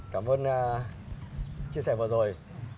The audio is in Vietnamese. cảm ơn chia sẻ vừa rồi